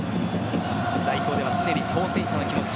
代表では常に挑戦者の気持ち。